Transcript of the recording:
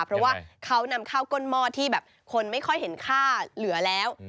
เพราะว่าเขานำข้าวก้นหม้อที่แบบคนไม่ค่อยเห็นค่าเหลือแล้ว